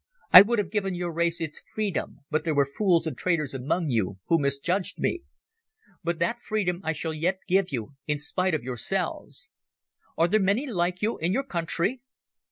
I would have given your race its freedom, but there were fools and traitors among you who misjudged me. But that freedom I shall yet give you in spite of yourselves. Are there many like you in your country?"